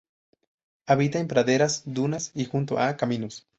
Habita en praderas, dunas y junto a caminos.